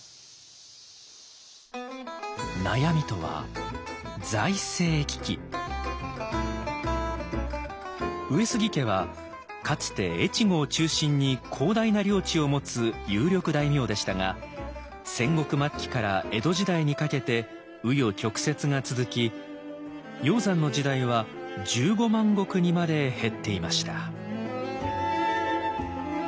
悩みとは上杉家はかつて越後を中心に広大な領地を持つ有力大名でしたが戦国末期から江戸時代にかけて紆余曲折が続き鷹山の時代は１５万石にまで減っていました。